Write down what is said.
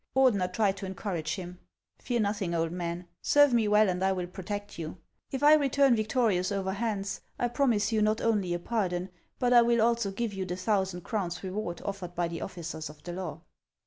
Ordener tried to encourage him. " Fear nothing, old man ; serve me well, and I will pro tect you. It' I return victorious over Hans, I promise you not only a pardon, but 1 will also give you the thousand crowns reward ottered by the officers of the law."